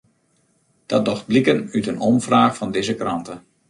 Dat docht bliken út in omfraach fan dizze krante.